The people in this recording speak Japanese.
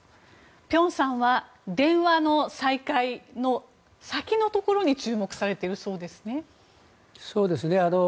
辺さんは電話の再開の先のところに注目されているそうですね。